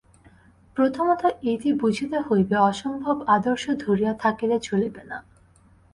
প্রথমত এইটি বুঝিতে হইবে, অসম্ভব আদর্শ ধরিয়া থাকিলে চলিবে না।